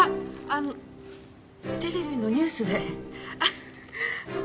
あのテレビのニュースで。